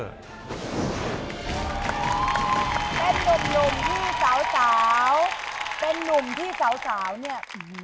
เป็นนุ่มที่สาวเป็นนุ่มที่สาวเนี่ย